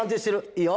いいよ！